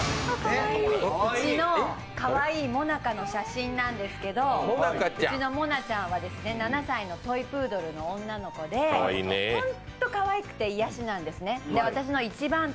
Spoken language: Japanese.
うちのかわいい、もなかの写真なんですけど、うちのもなちゃんは７歳のトイプードルの女の子で、ホントかわいくて、癒やしなんですね。